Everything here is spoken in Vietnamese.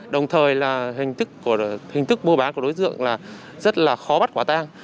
đồng thời là hình thức mua bán của đối tượng là rất là khó bắt quả tang